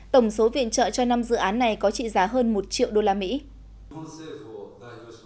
tổng số viện trợ cho năm dự án này có trị giá hơn một triệu đô la mỹ